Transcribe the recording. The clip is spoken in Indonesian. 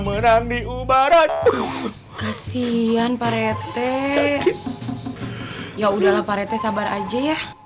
menang di ubaran itu kasihan parete ya udah lah parete sabar aja ya